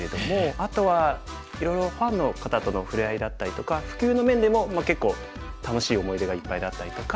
あとはいろいろファンの方との触れ合いだったりとか普及の面でも結構楽しい思い出がいっぱいだったりとか。